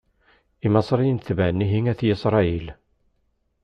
Imaṣriyen tebɛen ihi At Isṛayil.